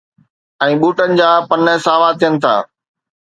۽ ٻوٽن جا پن ساوا ٿين ٿا